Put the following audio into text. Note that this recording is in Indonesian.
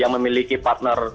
yang memiliki partner